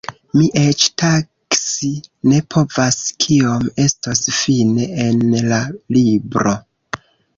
Mi eĉ taksi ne povas kiom estos fine en la libro.